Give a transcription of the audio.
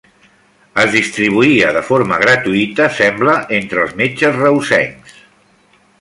Es distribuïa de forma gratuïta, sembla, entre els metges reusencs.